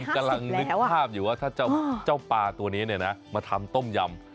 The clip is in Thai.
กำลังนึกภาพอยู่ว่าถ้าเจ้าปลาตัวนี้มาทำต้มยำ